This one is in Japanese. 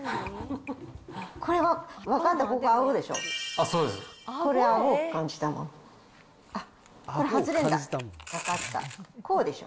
これは分かった、ここ、あごでしょ。